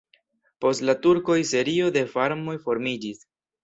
Post la turkoj serio de farmoj formiĝis.